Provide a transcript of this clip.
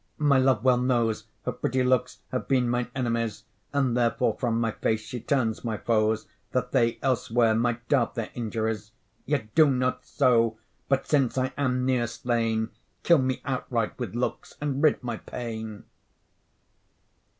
my love well knows Her pretty looks have been mine enemies; And therefore from my face she turns my foes, That they elsewhere might dart their injuries: Yet do not so; but since I am near slain, Kill me outright with looks, and rid my pain.